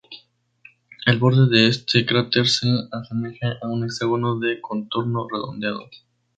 El borde de este cráter se asemeja a un hexágono de contorno redondeado.